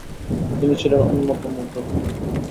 তিনি ছিলেন অন্যতম উদ্যোক্তা।